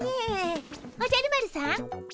おじゃる丸さん。